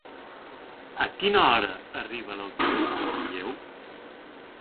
A quina hora arriba l'autobús de Manlleu?